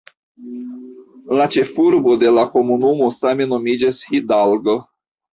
La ĉefurbo de la komunumo same nomiĝas "Hidalgo".